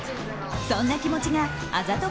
そんな気持ちがあざと